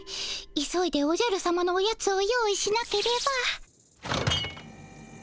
急いでおじゃるさまのおやつを用意しなければ。